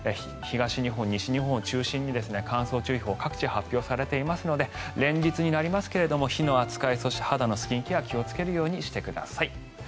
東日本、西日本を中心に乾燥注意報が各地、発表されていますので連日になりますが火の扱いそして肌のスキンケア気をつけるようにしてください。